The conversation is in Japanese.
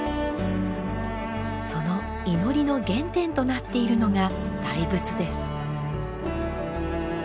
その祈りの原点となっているのが大仏です。